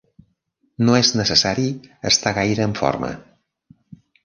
No és necessari estar gaire en forma.